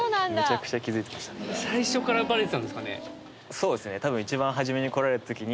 そうです